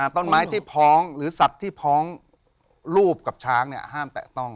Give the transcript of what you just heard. ต้นไม้ที่พ้องหรือสัตว์ที่พ้องรูปกับช้างห้ามแตะต้อง